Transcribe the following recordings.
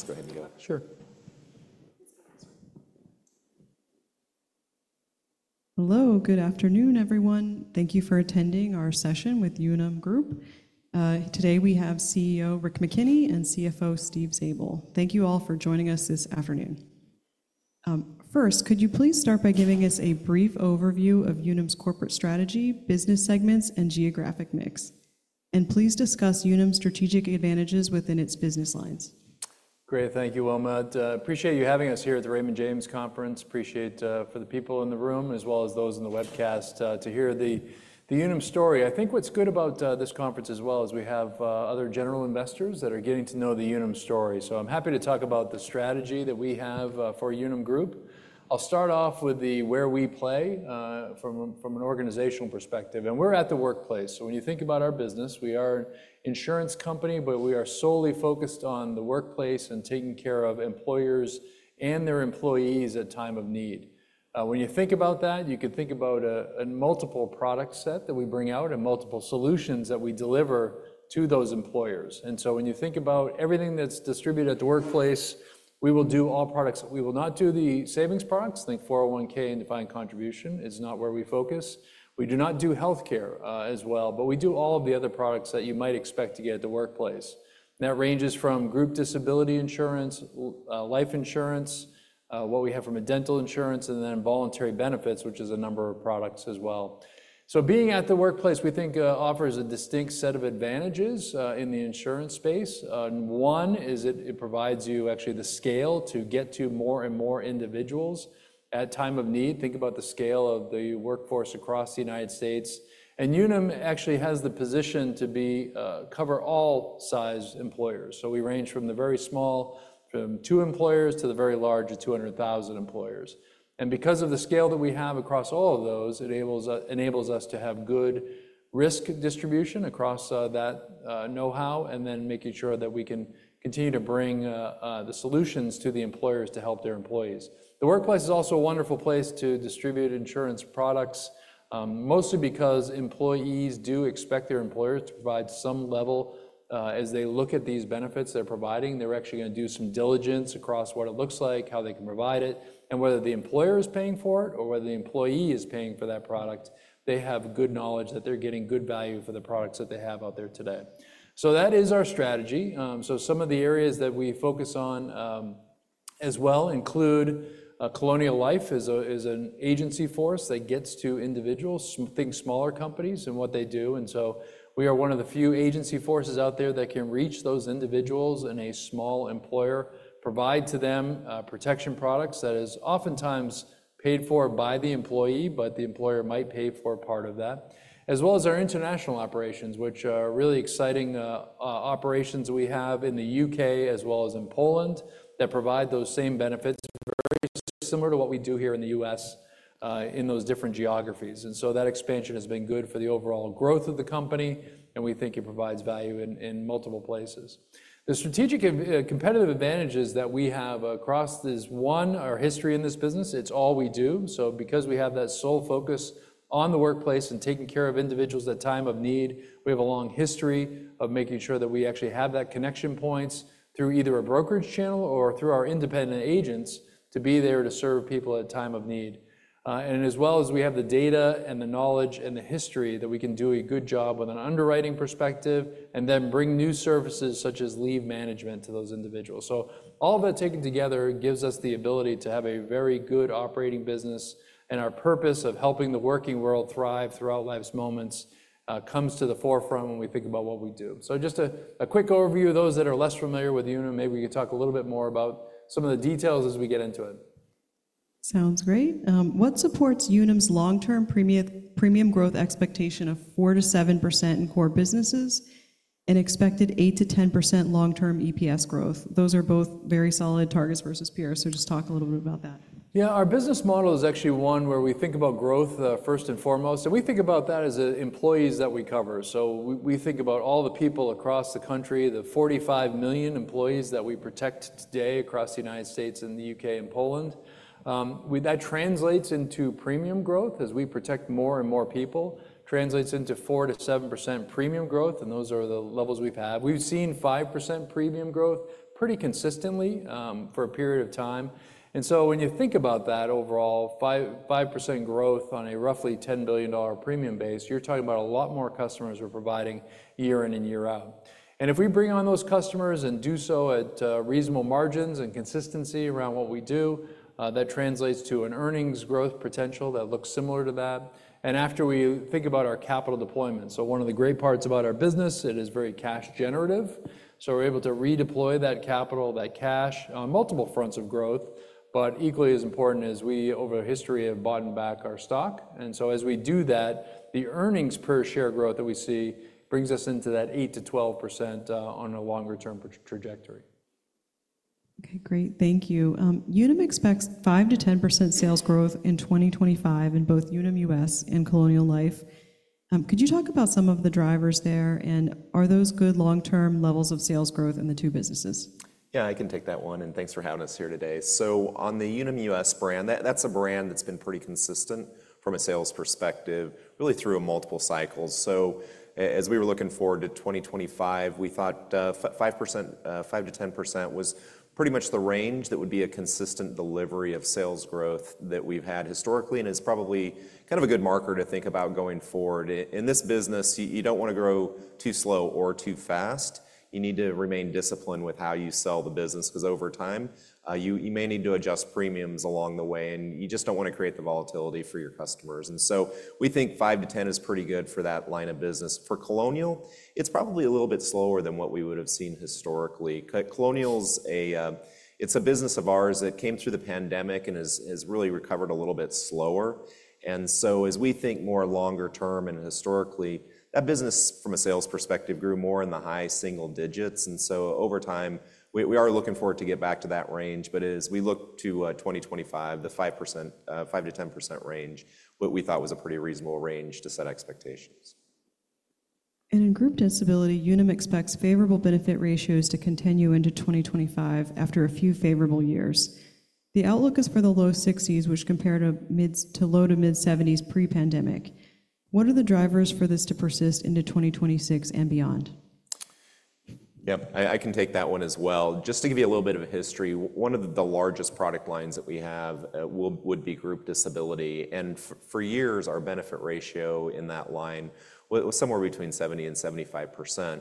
Now, let's go ahead and go. Sure. Hello, good afternoon, everyone. Thank you for attending our session with Unum Group. Today we have CEO Rick McKenney and CFO Steve Zabel. Thank you all for joining us this afternoon. First, could you please start by giving us a brief overview of Unum's corporate strategy, business segments, and geographic mix, and please discuss Unum's strategic advantages within its business lines. Great, thank you Wilma. Appreciate you having us here at the Raymond James Conference. Appreciate for the people in the room, as well as those in the webcast, to hear the Unum story. I think what's good about this conference as well is we have other general investors that are getting to know the Unum story. So I'm happy to talk about the strategy that we have for Unum Group. I'll start off with the where we play from an organizational perspective. And we're at the workplace. So when you think about our business, we are an insurance company, but we are solely focused on the workplace and taking care of employers and their employees at time of need. When you think about that, you could think about a multiple product set that we bring out and multiple solutions that we deliver to those employers. When you think about everything that's distributed at the workplace, we will do all products. We will not do the savings products, think 401(k) and defined contribution. It's not where we focus. We do not do healthcare as well, but we do all of the other products that you might expect to get at the workplace. That ranges from group disability insurance, life insurance, what we have from a dental insurance, and then voluntary benefits, which is a number of products as well. Being at the workplace, we think, offers a distinct set of advantages in the insurance space. One is it provides you actually the scale to get to more and more individuals at time of need. Think about the scale of the workforce across the United States. Unum actually has the position to cover all size employers. So we range from the very small, from two employers to the very large of 200,000 employers. And because of the scale that we have across all of those, it enables us to have good risk distribution across that know-how, and then making sure that we can continue to bring the solutions to the employers to help their employees. The workplace is also a wonderful place to distribute insurance products, mostly because employees do expect their employers to provide some level as they look at these benefits they're providing. They're actually going to do some diligence across what it looks like, how they can provide it, and whether the employer is paying for it or whether the employee is paying for that product. They have good knowledge that they're getting good value for the products that they have out there today. So that is our strategy. So some of the areas that we focus on as well include Colonial Life as an agency force that gets to individuals, think smaller companies and what they do. And so we are one of the few agency forces out there that can reach those individuals and a small employer provide to them protection products that is oftentimes paid for by the employee, but the employer might pay for part of that. As well as our international operations, which are really exciting operations we have in the U.K. as well as in Poland that provide those same benefits, very similar to what we do here in the U.S. in those different geographies. And so that expansion has been good for the overall growth of the company, and we think it provides value in multiple places. The strategic competitive advantages that we have across this one are history in this business. It's all we do, so because we have that sole focus on the workplace and taking care of individuals at time of need, we have a long history of making sure that we actually have that connection points through either a brokerage channel or through our independent agents to be there to serve people at time of need, and as well as we have the data and the knowledge and the history that we can do a good job with an underwriting perspective and then bring new services such as leave management to those individuals, so all of that taken together gives us the ability to have a very good operating business, and our purpose of helping the working world thrive throughout life's moments comes to the forefront when we think about what we do, so just a quick overview of those that are less familiar with Unum. Maybe we could talk a little bit more about some of the details as we get into it. Sounds great. What supports Unum's long-term premium growth expectation of 4%-7% in core businesses and expected 8%-10% long-term EPS growth? Those are both very solid targets versus peers, so just talk a little bit about that. Yeah, our business model is actually one where we think about growth first and foremost. We think about that as employees that we cover. So we think about all the people across the country, the 45 million employees that we protect today across the United States and the U.K. and Poland. That translates into premium growth as we protect more and more people, translates into 4%-7% premium growth, and those are the levels we've had. We've seen 5% premium growth pretty consistently for a period of time. When you think about that overall, 5% growth on a roughly $10 billion premium base, you're talking about a lot more customers we're providing year in and year out. And if we bring on those customers and do so at reasonable margins and consistency around what we do, that translates to an earnings growth potential that looks similar to that. And after we think about our capital deployment, so one of the great parts about our business, it is very cash generative. So we're able to redeploy that capital, that cash on multiple fronts of growth, but equally as important as we over history have bought back our stock. And so as we do that, the earnings per share growth that we see brings us into that 8%-12% on a longer-term trajectory. Okay, great. Thank you. Unum expects 5%-10% sales growth in 2025 in both Unum US and Colonial Life. Could you talk about some of the drivers there, and are those good long-term levels of sales growth in the two businesses? Yeah, I can take that one, and thanks for having us here today. So on the Unum US brand, that's a brand that's been pretty consistent from a sales perspective, really through multiple cycles. So as we were looking forward to 2025, we thought 5%-10% was pretty much the range that would be a consistent delivery of sales growth that we've had historically, and it's probably kind of a good marker to think about going forward. In this business, you don't want to grow too slow or too fast. You need to remain disciplined with how you sell the business, because over time you may need to adjust premiums along the way, and you just don't want to create the volatility for your customers. And so we think 5%-10% is pretty good for that line of business. For Colonial, it's probably a little bit slower than what we would have seen historically. Colonial, it's a business of ours that came through the pandemic and has really recovered a little bit slower. And so as we think more longer term and historically, that business from a sales perspective grew more in the high single digits. And so over time, we are looking forward to get back to that range. But as we look to 2025, the 5%-10% range, what we thought was a pretty reasonable range to set expectations. In group disability, Unum expects favorable benefit ratios to continue into 2025 after a few favorable years. The outlook is for the low 60s, which, compared to low-to-mid 70s pre-pandemic. What are the drivers for this to persist into 2026 and beyond? Yep, I can take that one as well. Just to give you a little bit of history, one of the largest product lines that we have would be group disability, and for years, our benefit ratio in that line was somewhere between 70%-75%.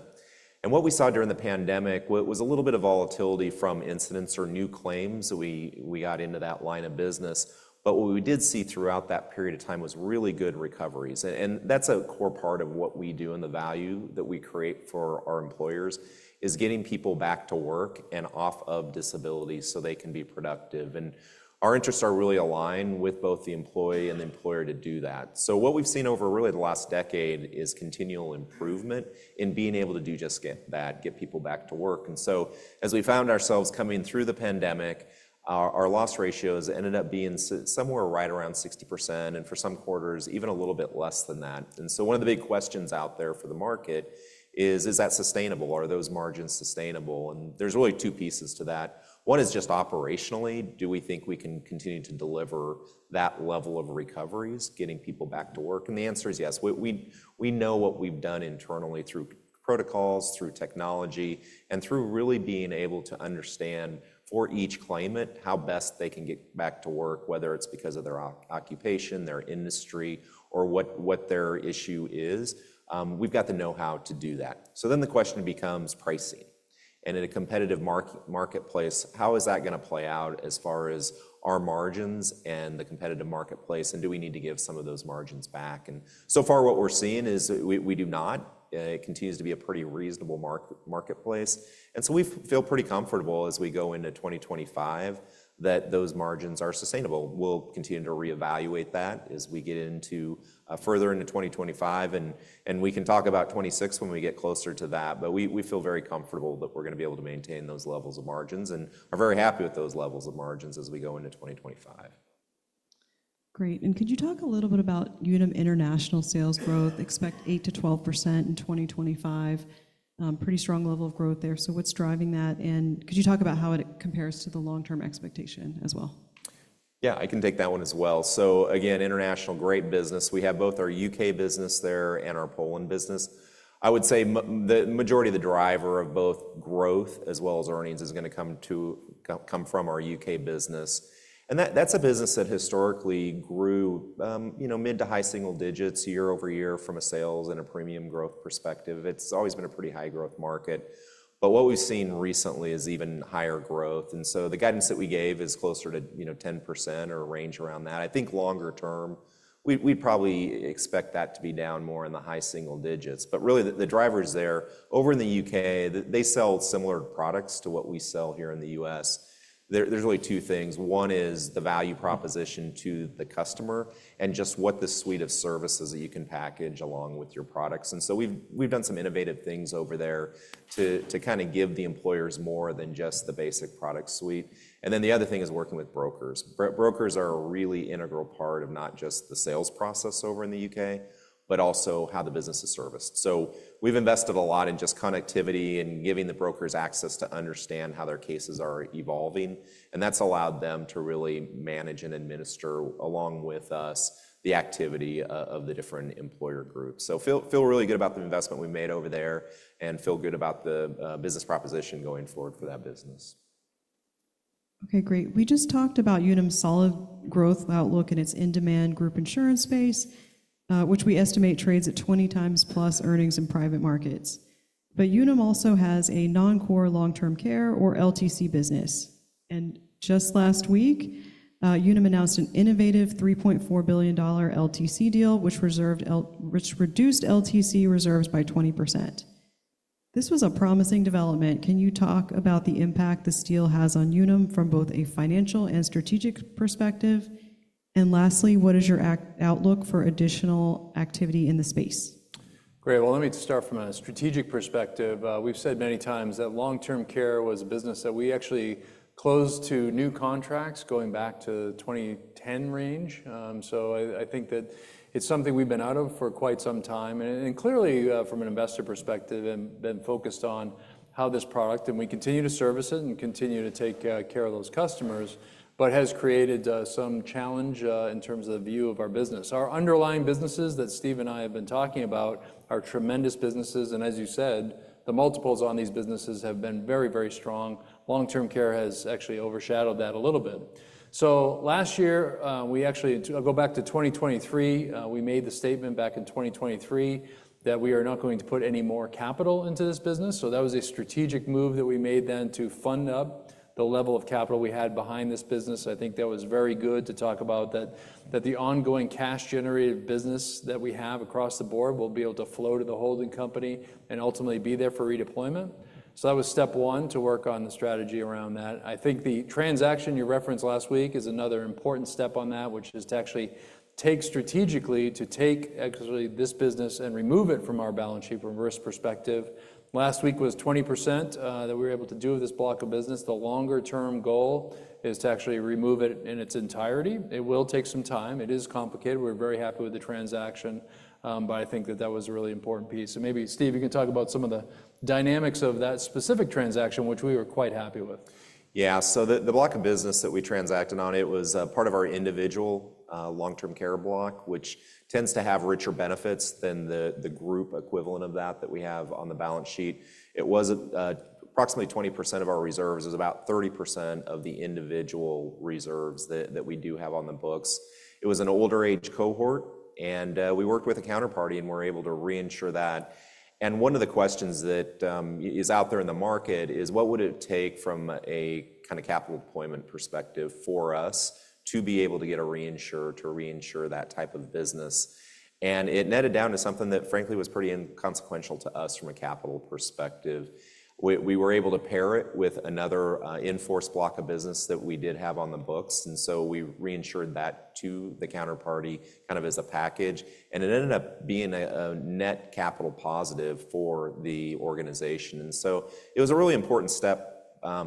And what we saw during the pandemic was a little bit of volatility from incidence or new claims that we got into that line of business, but what we did see throughout that period of time was really good recoveries. And that's a core part of what we do and the value that we create for our employers is getting people back to work and off of disability so they can be productive, and our interests are really aligned with both the employee and the employer to do that. So what we've seen over really the last decade is continual improvement in being able to do just that, get people back to work. And so as we found ourselves coming through the pandemic, our loss ratios ended up being somewhere right around 60%, and for some quarters, even a little bit less than that. And so one of the big questions out there for the market is, is that sustainable? Are those margins sustainable? And there's really two pieces to that. One is just operationally, do we think we can continue to deliver that level of recoveries, getting people back to work? And the answer is yes. We know what we've done internally through protocols, through technology, and through really being able to understand for each claimant how best they can get back to work, whether it's because of their occupation, their industry, or what their issue is. We've got the know-how to do that. So then the question becomes pricing. And in a competitive marketplace, how is that going to play out as far as our margins and the competitive marketplace? And do we need to give some of those margins back? And so far what we're seeing is we do not. It continues to be a pretty reasonable marketplace. And so we feel pretty comfortable as we go into 2025 that those margins are sustainable. We'll continue to reevaluate that as we get further into 2025. And we can talk about 2026 when we get closer to that, but we feel very comfortable that we're going to be able to maintain those levels of margins and are very happy with those levels of margins as we go into 2025. Great. And could you talk a little bit about Unum International sales growth? Expect 8%-12% in 2025. Pretty strong level of growth there. So what's driving that? And could you talk about how it compares to the long-term expectation as well? Yeah, I can take that one as well. So again, International, great business. We have both our U.K. business there and our Poland business. I would say the majority of the driver of both growth as well as earnings is going to come from our U.K. business. And that's a business that historically grew mid to high single digits year over year from a sales and a premium growth perspective. It's always been a pretty high growth market. But what we've seen recently is even higher growth. And so the guidance that we gave is closer to 10% or a range around that. I think longer term, we'd probably expect that to be down more in the high single digits. But really the drivers there over in the U.K., they sell similar products to what we sell here in the U.S. There's really two things. One is the value proposition to the customer and just what the suite of services that you can package along with your products. And so we've done some innovative things over there to kind of give the employers more than just the basic product suite. And then the other thing is working with brokers. Brokers are a really integral part of not just the sales process over in the U.K., but also how the business is serviced. So we've invested a lot in just connectivity and giving the brokers access to understand how their cases are evolving. And that's allowed them to really manage and administer along with us the activity of the different employer groups. So feel really good about the investment we made over there and feel good about the business proposition going forward for that business. Okay, great. We just talked about Unum's solid growth outlook and its in-demand group insurance space, which we estimate trades at 20 times plus earnings in private markets. But Unum also has a non-core long-term care or LTC business. And just last week, Unum announced an innovative $3.4 billion LTC deal, which reduced LTC reserves by 20%. This was a promising development. Can you talk about the impact the deal has on Unum from both a financial and strategic perspective? And lastly, what is your outlook for additional activity in the space? Great. Well, let me start from a strategic perspective. We've said many times that long-term care was a business that we actually closed to new contracts going back to the 2010 range. So I think that it's something we've been out of for quite some time. And clearly from an investor perspective, been focused on how this product, and we continue to service it and continue to take care of those customers, but has created some challenge in terms of the view of our business. Our underlying businesses that Steve and I have been talking about are tremendous businesses. And as you said, the multiples on these businesses have been very, very strong. Long-term care has actually overshadowed that a little bit. Last year, we actually, I'll go back to 2023, we made the statement back in 2023 that we are not going to put any more capital into this business. That was a strategic move that we made then to fund up the level of capital we had behind this business. I think that was very good to talk about that the ongoing cash-generated business that we have across the board will be able to flow to the holding company and ultimately be there for redeployment. That was step one to work on the strategy around that. I think the transaction you referenced last week is another important step on that, which is to actually take strategically this business and remove it from our balance sheet from a risk perspective. Last week was 20% that we were able to do of this block of business. The longer-term goal is to actually remove it in its entirety. It will take some time. It is complicated. We're very happy with the transaction, but I think that that was a really important piece. And maybe Steve, you can talk about some of the dynamics of that specific transaction, which we were quite happy with. Yeah, so the block of business that we transacted on, it was part of our individual long-term care block, which tends to have richer benefits than the group equivalent of that that we have on the balance sheet. It was approximately 20% of our reserves is about 30% of the individual reserves that we do have on the books. It was an older age cohort, and we worked with a counterparty and were able to reinsure that. And one of the questions that is out there in the market is what would it take from a kind of capital deployment perspective for us to be able to get a reinsurer to reinsure that type of business? And it netted down to something that frankly was pretty inconsequential to us from a capital perspective. We were able to pair it with another in-force block of business that we did have on the books, and so we reinsured that to the counterparty kind of as a package, and it ended up being a net capital positive for the organization, and so it was a really important step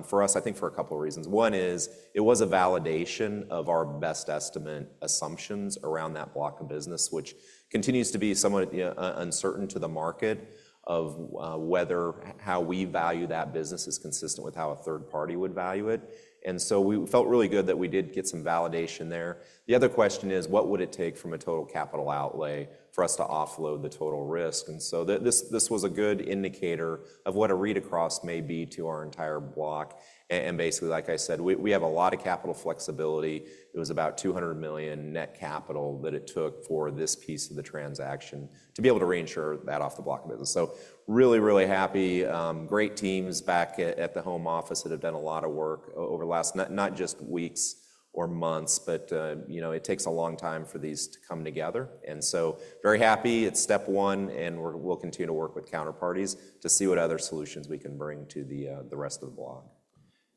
for us, I think for a couple of reasons. One is it was a validation of our best estimate assumptions around that block of business, which continues to be somewhat uncertain to the market of whether how we value that business is consistent with how a third party would value it, and so we felt really good that we did get some validation there. The other question is what would it take from a total capital outlay for us to offload the total risk? And so this was a good indicator of what a read across may be to our entire block. And basically, like I said, we have a lot of capital flexibility. It was about $200 million net capital that it took for this piece of the transaction to be able to reinsure that off the block of business. So really, really happy. Great teams back at the home office that have done a lot of work over the last, not just weeks or months, but it takes a long time for these to come together. And so very happy. It's step one, and we'll continue to work with counterparties to see what other solutions we can bring to the rest of the block.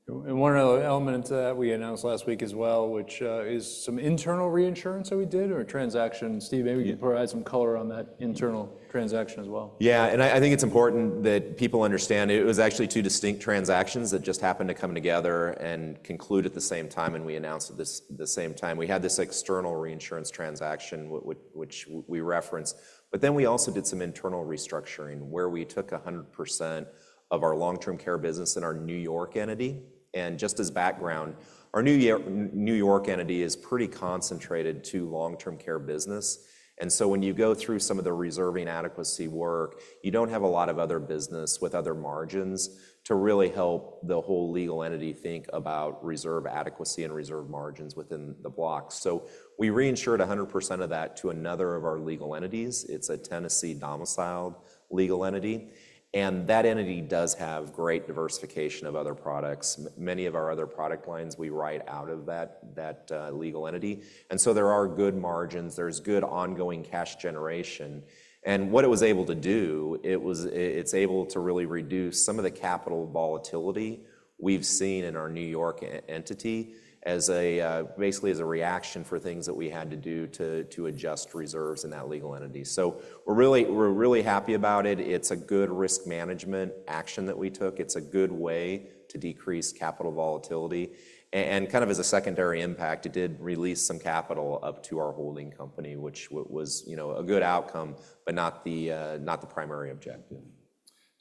One other element to that we announced last week as well, which is some internal reinsurance that we did or transaction. Steve, maybe you can provide some color on that internal transaction as well. Yeah, and I think it's important that people understand it was actually two distinct transactions that just happened to come together and conclude at the same time. And we announced at the same time we had this external reinsurance transaction, which we referenced. But then we also did some internal restructuring where we took 100% of our long-term care business in our New York entity. And just as background, our New York entity is pretty concentrated to long-term care business. And so when you go through some of the reserving adequacy work, you don't have a lot of other business with other margins to really help the whole legal entity think about reserve adequacy and reserve margins within the block. So we reinsured 100% of that to another of our legal entities. It's a Tennessee-domiciled legal entity. And that entity does have great diversification of other products. Many of our other product lines we write out of that legal entity, and so there are good margins. There's good ongoing cash generation, and what it was able to do, it's able to really reduce some of the capital volatility we've seen in our New York entity basically as a reaction for things that we had to do to adjust reserves in that legal entity, so we're really happy about it. It's a good risk management action that we took. It's a good way to decrease capital volatility, and kind of as a secondary impact, it did release some capital up to our holding company, which was a good outcome, but not the primary objective.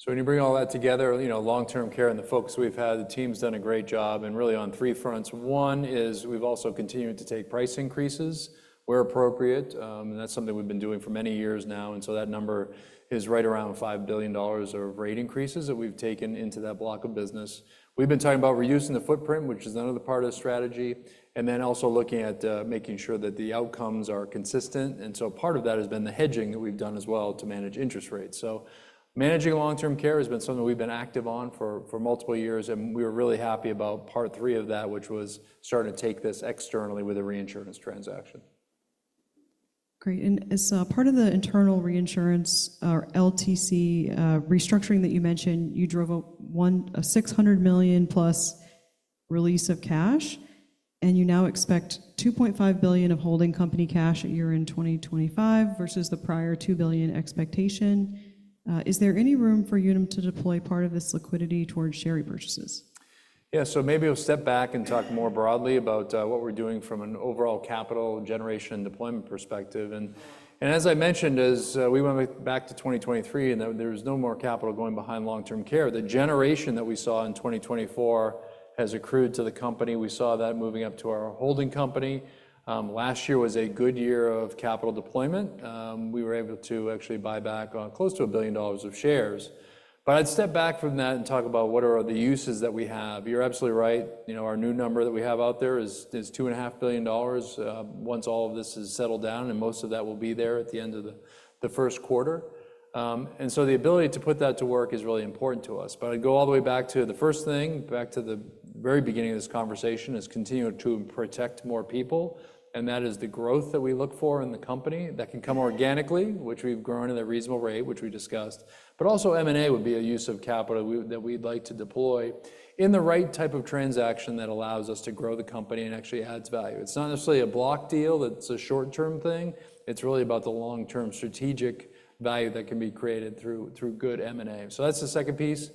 So when you bring all that together, long-term care and the folks we've had, the team's done a great job and really on three fronts. One is we've also continued to take price increases where appropriate. And that's something we've been doing for many years now. And so that number is right around $5 billion of rate increases that we've taken into that block of business. We've been talking about reusing the footprint, which is another part of the strategy. And then also looking at making sure that the outcomes are consistent. And so part of that has been the hedging that we've done as well to manage interest rates. So managing long-term care has been something we've been active on for multiple years. And we were really happy about part three of that, which was starting to take this externally with a reinsurance transaction. Great. And as part of the internal reinsurance or LTC restructuring that you mentioned, you drove a $600 million+ release of cash. And you now expect $2.5 billion of holding company cash at year-end 2025 versus the prior $2 billion expectation. Is there any room for Unum to deploy part of this liquidity towards share repurchases? Yeah, so maybe we'll step back and talk more broadly about what we're doing from an overall capital generation deployment perspective. And as I mentioned, as we went back to 2023 and there was no more capital going behind long-term care, the generation that we saw in 2024 has accrued to the company. We saw that moving up to our holding company. Last year was a good year of capital deployment. We were able to actually buy back close to $1 billion of shares. But I'd step back from that and talk about what are the uses that we have. You're absolutely right. Our new number that we have out there is $2.5 billion once all of this is settled down. And most of that will be there at the end of the first quarter. And so the ability to put that to work is really important to us. But I'd go all the way back to the first thing, back to the very beginning of this conversation is continue to protect more people. And that is the growth that we look for in the company that can come organically, which we've grown at a reasonable rate, which we discussed. But also M&A would be a use of capital that we'd like to deploy in the right type of transaction that allows us to grow the company and actually adds value. It's not necessarily a block deal that's a short-term thing. It's really about the long-term strategic value that can be created through good M&A. So that's the second piece.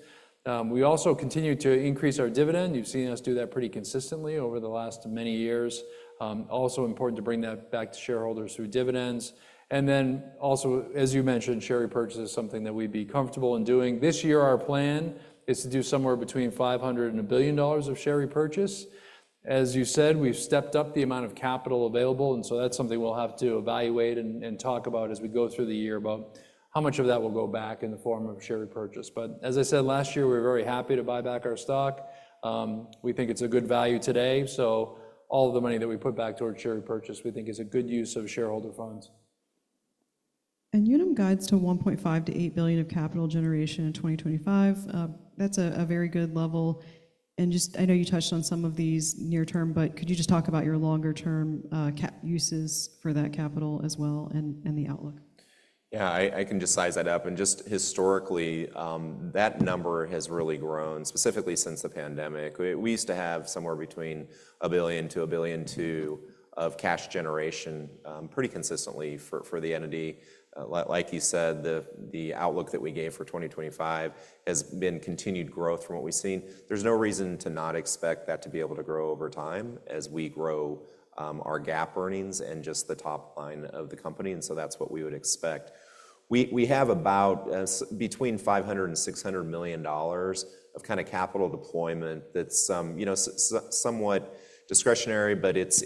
We also continue to increase our dividend. You've seen us do that pretty consistently over the last many years. Also important to bring that back to shareholders through dividends. And then also, as you mentioned, share repurchase is something that we'd be comfortable in doing. This year, our plan is to do somewhere between $500 million and $1 billion of share repurchase. As you said, we've stepped up the amount of capital available. And so that's something we'll have to evaluate and talk about as we go through the year about how much of that will go back in the form of share repurchase. But as I said, last year, we were very happy to buy back our stock. We think it's a good value today. So all of the money that we put back towards share repurchase, we think is a good use of shareholder funds. Unum guides to $1.5 billion-$8 billion of capital generation in 2025. That's a very good level. Just, I know you touched on some of these near-term, but could you just talk about your longer-term uses for that capital as well and the outlook? Yeah, I can just size that up. And just historically, that number has really grown specifically since the pandemic. We used to have somewhere between $1 billion and $1.2 billion of cash generation pretty consistently for the entity. Like you said, the outlook that we gave for 2025 has been continued growth from what we've seen. There's no reason to not expect that to be able to grow over time as we grow our GAAP earnings and just the top line of the company. And so that's what we would expect. We have about between $500 million and $600 million of kind of capital deployment that's somewhat discretionary, but it's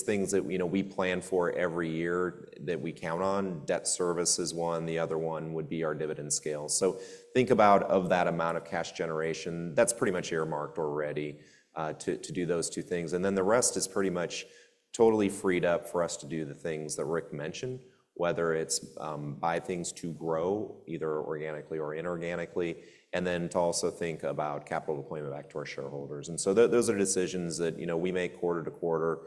things that we plan for every year that we count on. Debt service is one. The other one would be our dividend scale. So think about that amount of cash generation. That's pretty much earmarked already to do those two things. And then the rest is pretty much totally freed up for us to do the things that Rick mentioned, whether it's buy things to grow either organically or inorganically, and then to also think about capital deployment back to our shareholders. And so those are decisions that we make quarter to quarter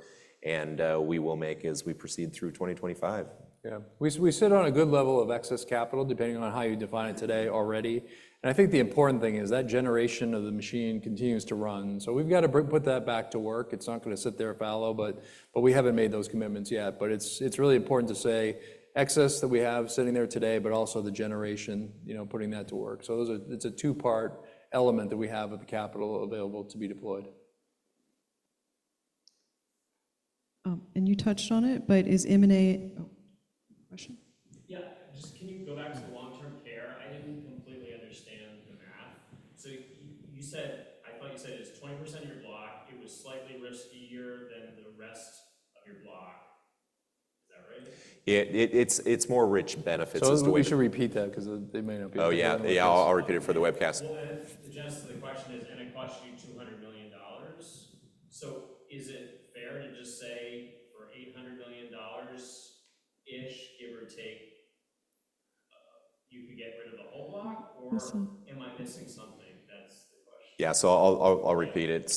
and we will make as we proceed through 2025. Yeah. We sit on a good level of excess capital depending on how you define it today already. And I think the important thing is that generation of the machine continues to run. So we've got to put that back to work. It's not going to sit there fallow, but we haven't made those commitments yet. But it's really important to say excess that we have sitting there today, but also the generation, putting that to work. So it's a two-part element that we have of the capital available to be deployed. And you touched on it, but is M&A- what's the question? Yeah. Just can you go back to the long-term care? I didn't completely understand the math. So I thought you said it was 20% of your block. It was slightly riskier than the rest of your block. Is that right? Yeah. It's more rich benefits. So we should repeat that because it may not be repeated. Oh yeah. Yeah, I'll repeat it for the webcast. Then the question is, and I quote you $200 million. Is it fair to just say for $800 million-ish, give or take, you could get rid of the whole block? Or am I missing something? That's the question. Yeah. So I'll repeat it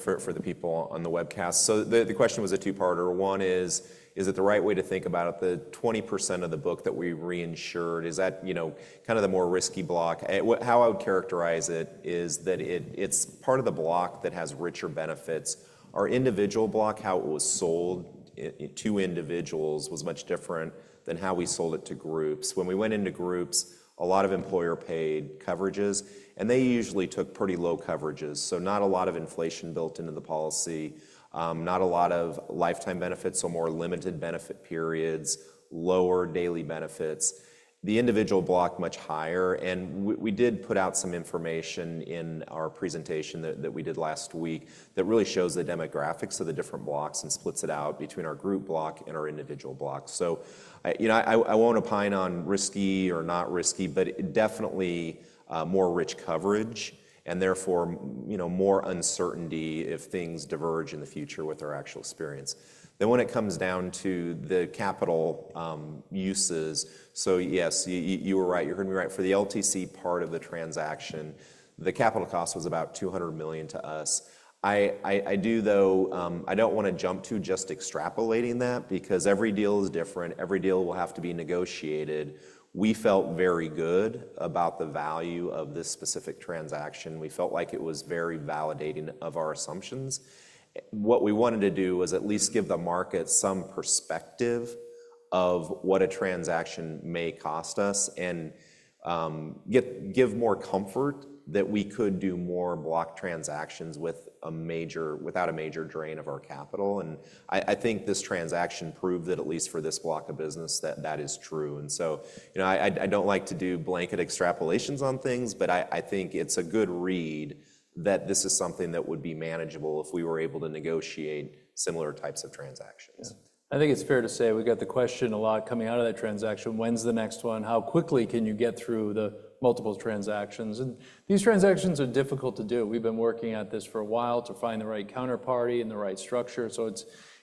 for the people on the webcast. So the question was a two-parter. One is, is it the right way to think about it? The 20% of the book that we reinsured, is that kind of the more risky block? How I would characterize it is that it's part of the block that has richer benefits. Our individual block, how it was sold to individuals was much different than how we sold it to groups. When we went into groups, a lot of employer-paid coverages, and they usually took pretty low coverages. So not a lot of inflation built into the policy, not a lot of lifetime benefits, so more limited benefit periods, lower daily benefits. The individual block much higher. And we did put out some information in our presentation that we did last week that really shows the demographics of the different blocks and splits it out between our group block and our individual block. So I won't opine on risky or not risky, but definitely more rich coverage and therefore more uncertainty if things diverge in the future with our actual experience. Then when it comes down to the capital uses, so yes, you were right. You heard me right. For the LTC part of the transaction, the capital cost was about $200 million to us. I do, though. I don't want to jump to just extrapolating that because every deal is different. Every deal will have to be negotiated. We felt very good about the value of this specific transaction. We felt like it was very validating of our assumptions. What we wanted to do was at least give the market some perspective of what a transaction may cost us and give more comfort that we could do more block transactions without a major drain of our capital, and I think this transaction proved that at least for this block of business that that is true, and so I don't like to do blanket extrapolations on things, but I think it's a good read that this is something that would be manageable if we were able to negotiate similar types of transactions. Yeah. I think it's fair to say we got the question a lot coming out of that transaction. When's the next one? How quickly can you get through the multiple transactions? And these transactions are difficult to do. We've been working at this for a while to find the right counterparty and the right structure. So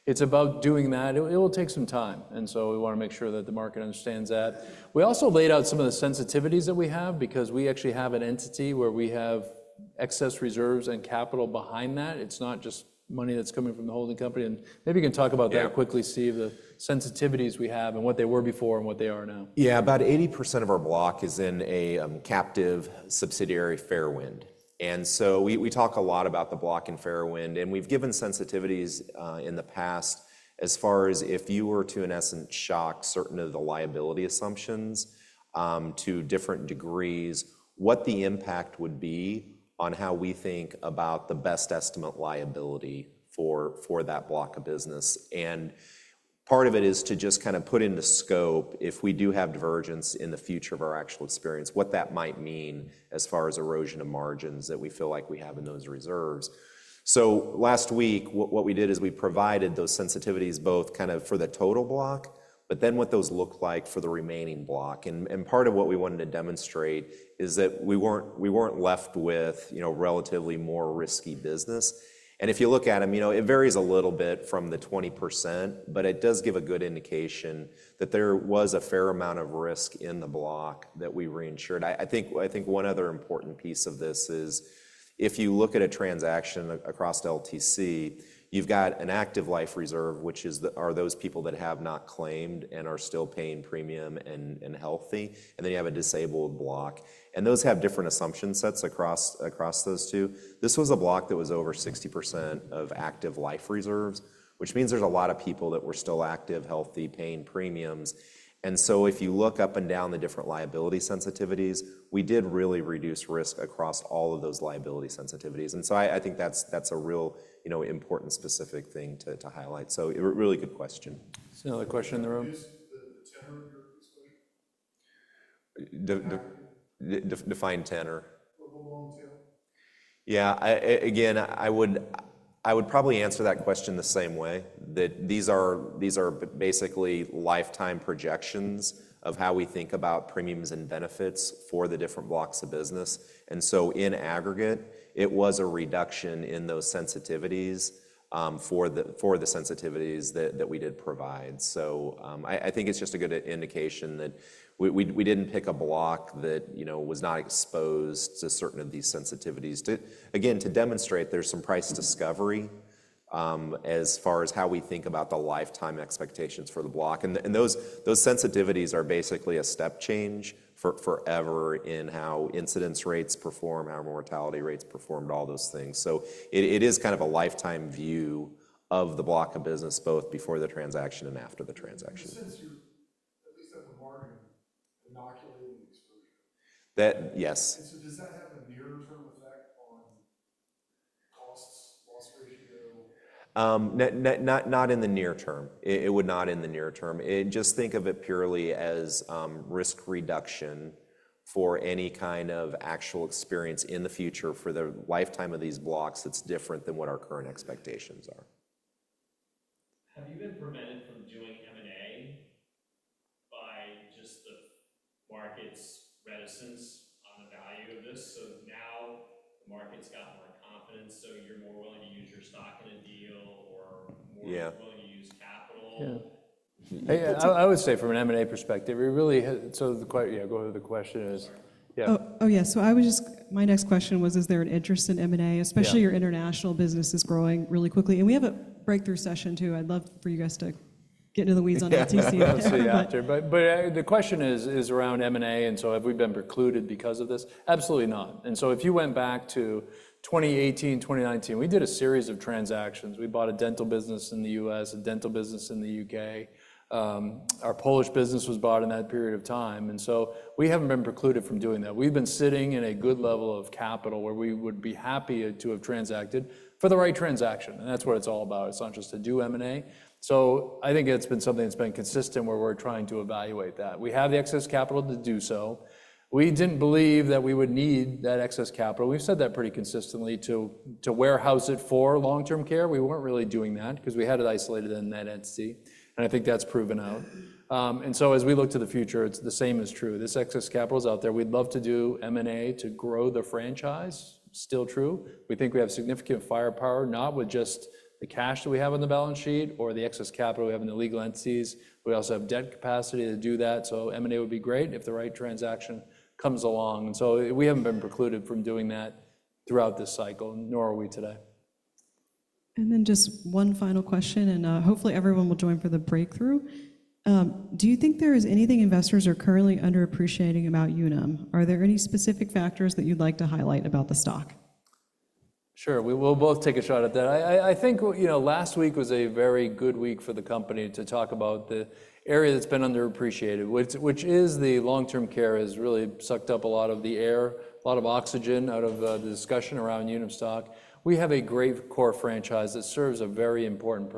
it's about doing that. It will take some time. And so we want to make sure that the market understands that. We also laid out some of the sensitivities that we have because we actually have an entity where we have excess reserves and capital behind that. It's not just money that's coming from the holding company. And maybe you can talk about that quickly, Steve, the sensitivities we have and what they were before and what they are now. Yeah. About 80% of our block is in a captive subsidiary Fairwind. And so we talk a lot about the block in Fairwind. And we've given sensitivities in the past as far as if you were to, in essence, shock certain of the liability assumptions to different degrees, what the impact would be on how we think about the best estimate liability for that block of business. And part of it is to just kind of put into scope if we do have divergence in the future of our actual experience, what that might mean as far as erosion of margins that we feel like we have in those reserves. So last week, what we did is we provided those sensitivities both kind of for the total block, but then what those look like for the remaining block. Part of what we wanted to demonstrate is that we weren't left with relatively more risky business. If you look at them, it varies a little bit from the 20%, but it does give a good indication that there was a fair amount of risk in the block that we reinsured. I think one other important piece of this is if you look at a transaction across LTC, you've got an active life reserve, which are those people that have not claimed and are still paying premium and healthy. Then you have a disabled block. Those have different assumption sets across those two. This was a block that was over 60% of active life reserves, which means there's a lot of people that were still active, healthy, paying premiums. And so if you look up and down the different liability sensitivities, we did really reduce risk across all of those liability sensitivities. And so I think that's a real important specific thing to highlight. So really good question. So another question in the room? The tenor of Define tenor. Yeah. Again, I would probably answer that question the same way that these are basically lifetime projections of how we think about premiums and benefits for the different blocks of business. And so in aggregate, it was a reduction in those sensitivities for the sensitivities that we did provide. So I think it's just a good indication that we didn't pick a block that was not exposed to certain of these sensitivities. Again, to demonstrate there's some price discovery as far as how we think about the lifetime expectations for the block. And those sensitivities are basically a step change forever in how incidence rates perform, how mortality rates perform, all those things. So it is kind of a lifetime view of the block of business both before the transaction and after the transaction. At least at the margin, inoculating exposure. Yes. Does that have a near-term effect on costs, loss ratio? Not in the near term. Just think of it purely as risk reduction for any kind of actual experience in the future for the lifetime of these blocks that's different than what our current expectations are. Have you been prevented from doing M&A by just the market's reticence on the value of this? So now the market's got more confidence, so you're more willing to use your stock in a deal or more willing to use capital. Yeah. I would say from an M&A perspective. So yeah, go ahead with the question is. Oh, yeah. So, my next question was, is there an interest in M&A, especially your international business is growing really quickly? And we have a breakout session too. I'd love for you guys to get into the weeds on LTC. Absolutely. Yeah. But the question is around M&A. And so have we been precluded because of this? Absolutely not. And so if you went back to 2018, 2019, we did a series of transactions. We bought a dental business in the U.S., a dental business in the U.K. Our Polish business was bought in that period of time. And so we haven't been precluded from doing that. We've been sitting in a good level of capital where we would be happy to have transacted for the right transaction. And that's what it's all about. It's not just to do M&A. So I think it's been something that's been consistent where we're trying to evaluate that. We have the excess capital to do so. We didn't believe that we would need that excess capital. We've said that pretty consistently to warehouse it for long-term care. We weren't really doing that because we had it isolated in that entity. And I think that's proven out. And so as we look to the future, it's the same as true. This excess capital is out there. We'd love to do M&A to grow the franchise. Still true. We think we have significant firepower, not with just the cash that we have on the balance sheet or the excess capital we have in the legal entities. We also have debt capacity to do that. So M&A would be great if the right transaction comes along. And so we haven't been precluded from doing that throughout this cycle, nor are we today. And then just one final question, and hopefully everyone will join for the breakthrough. Do you think there is anything investors are currently underappreciating about Unum? Are there any specific factors that you'd like to highlight about the stock? Sure. We will both take a shot at that. I think last week was a very good week for the company to talk about the area that's been underappreciated, which is the long-term care has really sucked up a lot of the air, a lot of oxygen out of the discussion around Unum stock. We have a great core franchise that serves a very important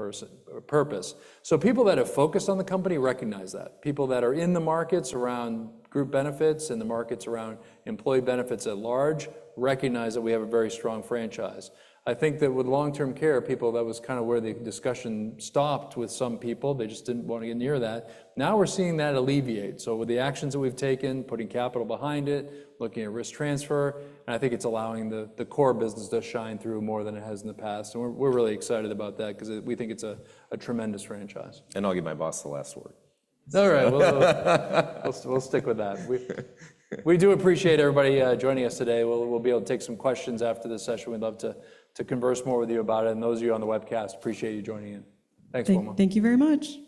purpose. So people that have focused on the company recognize that. People that are in the markets around group benefits and the markets around employee benefits at large recognize that we have a very strong franchise. I think that with long-term care, people, that was kind of where the discussion stopped with some people. They just didn't want to get near that. Now we're seeing that alleviate. So with the actions that we've taken, putting capital behind it, looking at risk transfer, and I think it's allowing the core business to shine through more than it has in the past. And we're really excited about that because we think it's a tremendous franchise. I'll give my boss the last word. All right. We'll stick with that. We do appreciate everybody joining us today. We'll be able to take some questions after this session. We'd love to converse more with you about it, and those of you on the webcast, appreciate you joining in. Thanks, Wilma. Thank you very much.